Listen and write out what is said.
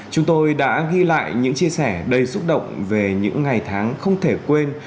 chúng tôi đã ghi lại những chia sẻ đầy xúc động về những ngày tháng không thể quên